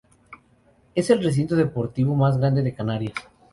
Es el recinto deportivo más grande de Canarias.